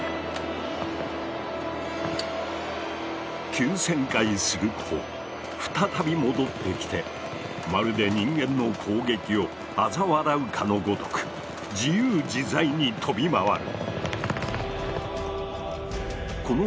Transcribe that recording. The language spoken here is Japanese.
急旋回すると再び戻ってきてまるで人間の攻撃をあざ笑うかのごとく自由自在に飛び回る。